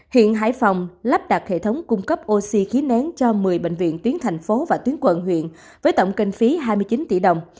hiện hải phòng lắp đặt hệ thống cung cấp oxy khí nén cho một mươi bệnh viện tuyến thành phố và tuyến quận huyện với tổng kinh phí hai mươi chín tỷ đồng